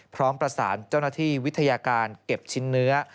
พร้อมประสานเจ้าหน้าที่วิทยาการเก็บชิ้นเนื้อ